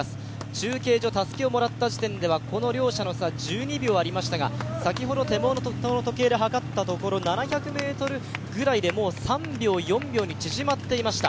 中継所、たすきをもらった時点では両者の差は１２秒ありましたが先ほど手元の時計ではかったところ７００ｍぐらいでもう３秒、４秒に縮まっていました。